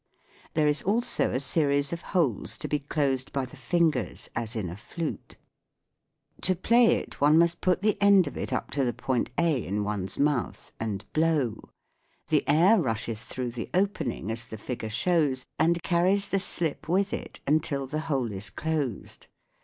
There is also a series of holes to be closed by the fingers as in a flute. To play it one must put the end of it up to the point A in one's mouth and blow. The air rushes through the opening as the figure shows and carries the slip with it until the hole is closed.